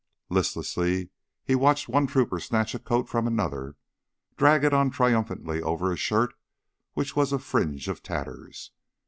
Listlessly he watched one trooper snatch a coat from another, drag it on triumphantly over a shirt which was a fringe of tatters.